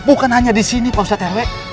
bukan hanya disini pak ustad terwe